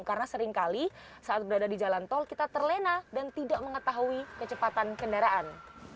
karena seringkali saat berada di jalan tol kita terlena dan tidak mengetahui kecepatan kendaraan